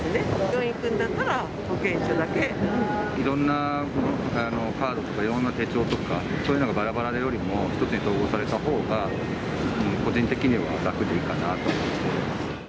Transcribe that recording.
病院へ行くんだったら、いろんなカードとか、いろんな手帳とか、そういうのがばらばらよりも、１つに統合された方が、個人的には楽でいいかなと思います。